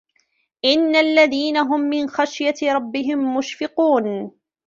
إِنَّ الَّذِينَ هُمْ مِنْ خَشْيَةِ رَبِّهِمْ مُشْفِقُونَ